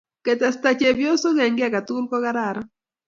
ketesta chepkoysok eng kei age tugul ko kararan